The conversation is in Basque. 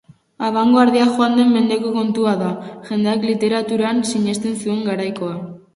Abangoardia joan den mendeko kontua da, jendeak literaturan sinesten zuen garaikoa.